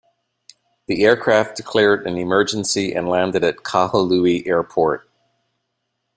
The aircraft declared an emergency and landed at Kahului Airport.